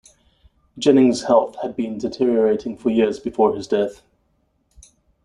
Jennings's health had been deteriorating for years before his death.